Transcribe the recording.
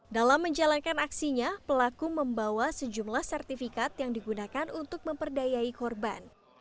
dalam menjalankan aksinya pelaku membawa sejumlah sertifikat yang digunakan untuk memperdayai korban